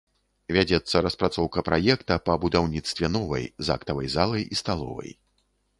Вядзецца распрацоўка праекта па будаўніцтве новай з актавай залай і сталовай.